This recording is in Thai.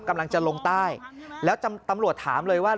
กำลังจะลงใต้แล้วตำรวจถามเลยว่า